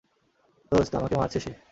দোস্ত, আমাকে মারছে সে।